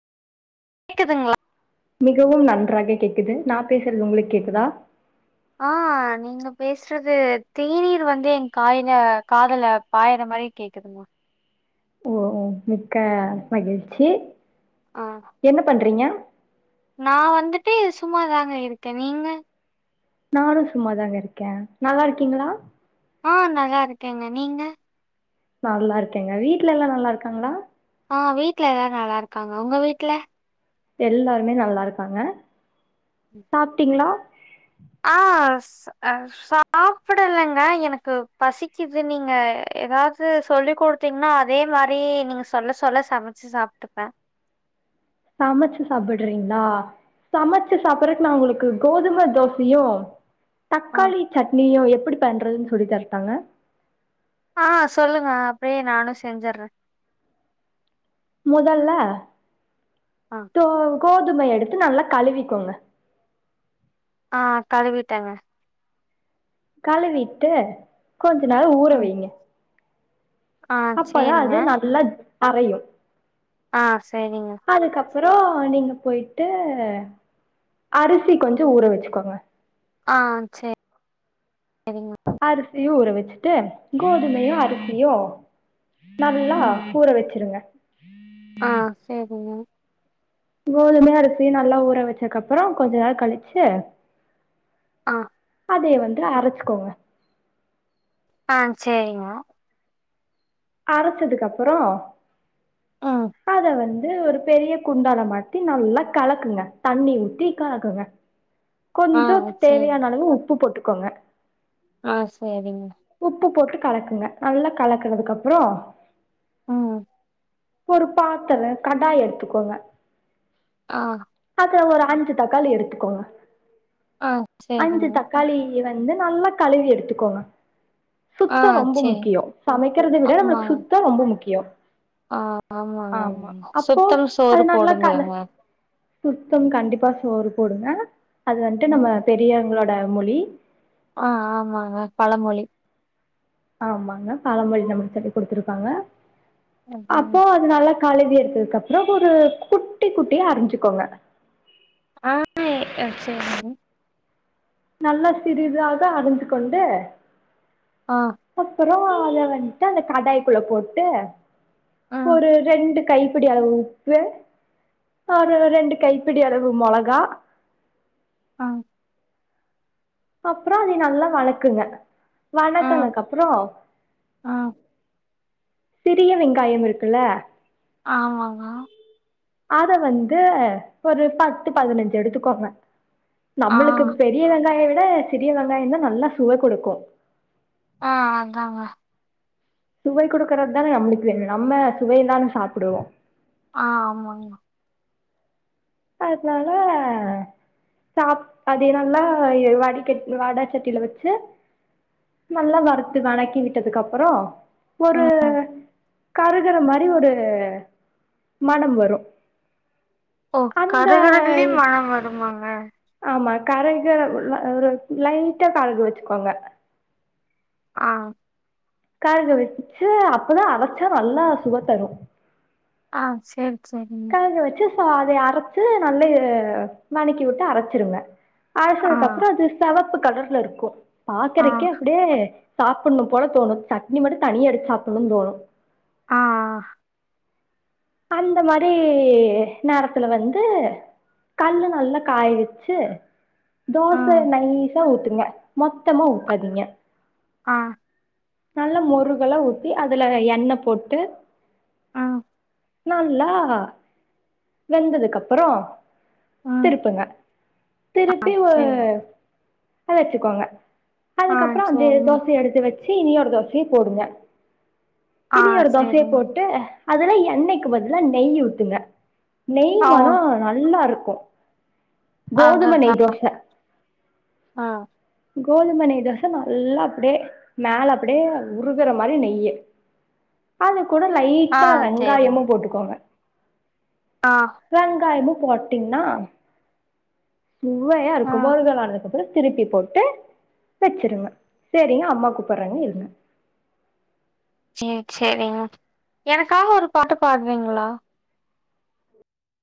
கேக்குதுங்ள மிகவும் நன்றாக கேக்குது நா பேசுறது உங்ளுக்கு கேக்குதா ஆ நி நீங்க பேஸ்றது தேநீர் வந்து ஏ காயில காதுல பாயிற மாரி கேக்குதுங்க ஓ! மிக்க மகிழ்ச்சி என்ன பண்றீங்க நான் வந்துட்டு சும்மாதாங்க இருக்க நீங்க நானு சும்மாதாங்க இருக்கே நல்லாருக்கீங்ளா ஆ நல்லாருக்கேங்க நீங்க நல்லாருக்கேங்க வீட்ல எல்லா நல்லாருக்காங்ளா ஆ வீட்ல எல்லாரு நல்லாருக்காங்க ஒங்க வீட்ல எல்லாருமே நல்லாருக்காங்க சாப்ட்டீங்ளா ஆ சு அ சாப்புடலங்க எனக்கு பசிக்குது நீங்க எதாவ்து சொல்லி குடு திங்னா அதே மாரி நீங் சொல்ல சொல்ல சமச்சு சாப்ட்டுப்ப சமச்சு சாப்புட்றீங்ளா சமச்சு சாப்புற்றக்கு நா உங்களுக்கு கோதுமை தோசுயு ஆ தக்காளி சட்னியு எப்புடி பண்ணுறதுன் சொல்லி தரட்டாங்க அ அ சொல்லுங்க அப்டியே நானு செஞ்சற்ற முதல்ல ஆ தோ கோதும எடுத்து நல்லா கழுவிக்கோங்க ஆ கழுவிட்டங்க கழுவிட்டு கொஞ்ச நாள் ஊற ம் வைங்க ஆ அப்பதா சேரிங்க அது நல்லா அரையு ஆ சேரிங்க அதுக்கப்புறோ நீங்கள் பொயி்ட்டு அரிசி கொஞ்ச ஊற வச்சுக்கோங்க ஆ சே சரிங்க அரிசியு ஊற வச்சுட்டு கோதுமயும் அரிசியு நல்லா ம் ஊற வெச்சுருங்க ஆ சேரிங்க கோதும அரிசி நல்லா ஊற வச்சக்கப்பறோ கொஞ்சொ நே கழிச்சு ஆ அதை வந்து அரச்சக்கோங்க ஆ சரிங்கோ அரச்சதுக்கப்பறோ ம் அத வந்து ஒரு பெரிய குண்டால மாத்தி நல்லா கலக்குங்க தண்ணி ஊத்தி கலக்குங்க ஆ கொஞ்சம் சேரி தேவையான அளவு உப்பு போட்டுக்கோங்க ஆ சரிங்க உப்பு போட்டு கலக்குங்க நல்லா கலக்குனதுக்கு அப்றோ ம் ஒரு பாத்தரோ கடாய் எடுத்துக்கோங்க ஆ அப்பறோ ஒரு அஞ்சு தக்காளி எடுத்துக்கோங்க ஆ அஞ்சு சேரிங்க தக்கா காளி வந்து நல்லா கழுவி எடுத்துக்கோங்க ஆ சுத்தோ ரொம்ப சேரி முக்கியோ சமைக்கிறத விட நமளுக் ஆமாங்க சுத்தோ ரொம்ப முக்கியோ ஆ ஆமாங்க ஆமாங்க அப்போ சுத்தம் சோறு அது நல்ல கழ போடும்லங்க சுத்தம் கண்டிப்பா சோறு போடுங்க அது வந்ட்டு நம்ம ம் பெரியவங்களோட மொழி ஆ ஆமாங்க பழமொழி ஆமாங்க பழமொழி நமக் சொல்லி குடுத்துருக்காங்க அதாங்க. அப்போ அதனால கழுவி எடுத்ததுக்கு அப்பறோ ஒரு குட்டி குட்டியா அருஞ்சுக்கோங்க ஆனே ஆ சரிங் மேடம் நல்லா சிறிதாக அரிஞ்சு கொண்டு ஆ அப்பறோ அத வந்ட்டு அந்த கடாய்க்குள்ள போட்டு ஆ ஒரு ரெண்டு கைப்பிடி அளவு உப்பு ஒரு ரெண்டு கைப்பிடி அளவு மொளகா ஆ அப்றோ அதை நல்லா வலக்குங்க ஆ வலத்தனக்கப்றோ ஆ சிறிய வெங்காயம் இருக்குல்ல ஆமாங்கோ அத வந்து ஒரு பத்து பதினஞ்சு எடுத்துக்கோங்க ஆ நம்மளுக்கு பெரிய வெங்காயோ விட சிறிய வெங்காயந்தா நல்லா சுவை குடுக்கு ஆ அதாங்க சுவை குடுக்கறது தானே நம்மளுக்கு வேணு நம்ம சுவை தானங் சாப்புடுவோ ஆமாங்கோ அதனால சாப் அது என்னனா எ வடி சட் வடாச்சட்டில வச்சு நல்லா வறுத்து வணக்கி விட்டதுக்கு அப்பறோ ஒரு ம் கருகுற மாரி ஒரு மணம் வரு ஓ அந்த கருகுறதுலே மணம் வருமாங்க ஆமா கரகு ந ஒரு லைட்டா கருக வச்சுக்கோங்க ஆ கருக வச்சுச்சு அப்பதா அரச்சா நல்லா சுவ தரு ஆ சேர் செரிங்க கருக வச்சு சோ அத அரச்சு நல்ல வணக்கி வுட்டு அரச்சிருங்க ஆ, அரச்சதுக்குப்புற அது செவப்பு கலர்ல இருக்கு ஆ, பாக்குறக்கே அப்டியே சாப்புணு போல தோணு சட்னி மட்டு தனியா எடுத்து சாப்புணு தோணு ஆ அந்த மாரி நேரத்துல வந்து கல்ல நல்லா காய வச்சு தோசைய ம், நைஸா ஊத்துங்க மொத்தமா ஊத்தாதீங்க ஆ நல்ல மொறுகலா ஊத்தி அதுல எண்ண போட்டு ம் நல்லா வெந்ததுக்கு அப்புற ம், திருப்புங்க ஆ திருப்பி ஒரு சரி. வச்சிக்கோங்க ஆ அதுக்கு அப்புற அப்டி சரிங்க. தோசைய எடுத்து வச்சு இனி ஒரு தோசைய போடுங்க ஆ இனி ஒரு தோசைய சரிங்க. போட்டு அதுல எண்ணெய்க்கு பதில நெய் ஊத்துங்க நெய் ஓ மனோ நல்லா இருக்கு கோதும நெய் அதுதான். தோச ஆ கோதும நெய் தோச நல்லா அப்டியே மேல அப்டியே உருகுற மாரி நெய்யு அது கூட ஆ லைட்டா சரிங்க. வெங்காயமு போட்டுக்கோங்க ஆ வெங்காயமு போட்டிங்னா சுவையா ஆ இருக்கு மொர்கலானது திருப்பி போட்டு வச்சிருங்க சேரிங்க அம்மா கூப்புறாங்க இருங்க சேரி சேரிங் எனக்காக ஒரு பாட்டு பாடுவீங்ளா